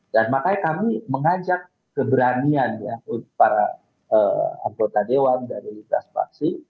dan makanya kami mengajak keberanian ya para anggota dewan dari transaksi